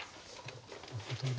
なるほどね。